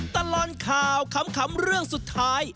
ตลอดข่าวขำเรื่องสุดท้าย